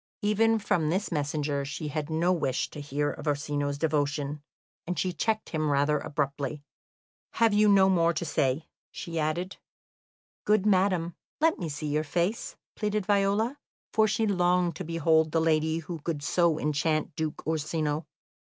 Even from this messenger she had no wish to hear of Orsino's devotion, and she checked him rather abruptly. [Illustration: Look you, sir. Is it not well done?] "Have you no more to say?" she added. "Good madam, let me see your face," pleaded Viola, for she longed to behold the lady who could so enchant Duke Orsino.